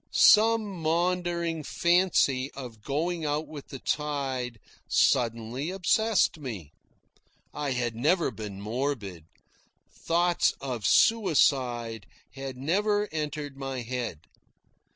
Some maundering fancy of going out with the tide suddenly obsessed me. I had never been morbid. Thoughts of suicide had never entered my head.